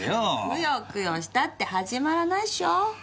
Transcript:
くよくよしたって始まらないっしょ。